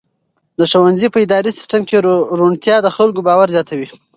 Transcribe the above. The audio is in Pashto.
د ښوونځي په اداري سیسټم کې روڼتیا د خلکو باور زیاتوي.